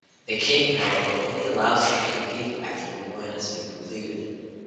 The King, however, only allows them to compete after the moai has been completed.